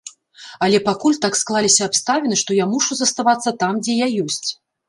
Але пакуль так склаліся абставіны, што я мушу заставацца там, дзе я ёсць.